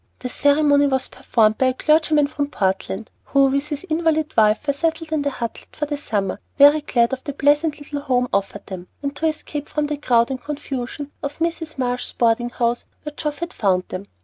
The ceremony was performed by a clergyman from Portland, who with his invalid wife were settled in the Hutlet for the summer, very glad of the pleasant little home offered them, and to escape from the crowd and confusion of Mrs. Marsh's boarding house, where Geoff had found them.